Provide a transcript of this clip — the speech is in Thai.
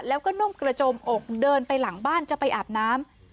แล้วก็นุ่งกระโจมอกเดินไปหลังบ้านจะไปอาบน้ำ